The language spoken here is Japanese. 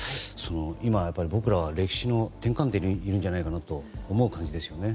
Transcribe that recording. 今、僕らは歴史の転換点にいるんじゃないかなと思う感じですね。